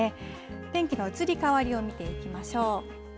天気の移り変わりを見ていきましょう。